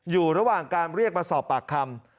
อยู่ระหว่างการเรียกมาสอบปากคำ